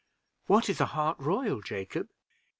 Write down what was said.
"What is a hart royal, Jacob?"